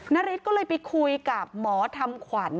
นาริสก็เลยไปคุยกับหมอทำขวัญ